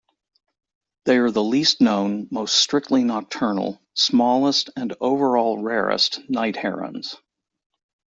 They are the least known, most strictly nocturnal, smallest and overall rarest night herons.